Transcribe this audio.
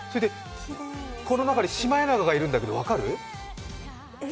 この中にシマエナガがいるんだけど分かる？